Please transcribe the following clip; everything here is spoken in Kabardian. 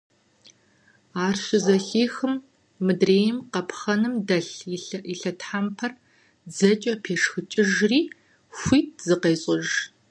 Ар щызэхихым, мыдрейм къапхъэным дэлъ и лъэтхьэмпэр дзэкӀэ пешхыкӀыжри, хуит зыкъещӀыж.